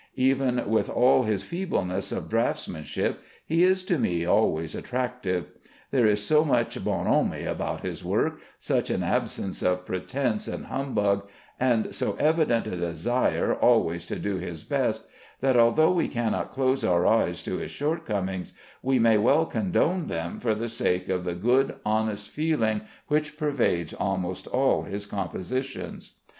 Even with all his feebleness of draughtsmanship he is to me always attractive. There is so much bonhomie about his work, such an absence of pretence and humbug, and so evident a desire always to do his best, that although we cannot close our eyes to his shortcomings, we may well condone them for the sake of the good honest feeling which pervades almost all his compositions.